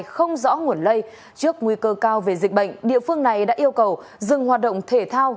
không rõ nguồn lây trước nguy cơ cao về dịch bệnh địa phương này đã yêu cầu dừng hoạt động thể thao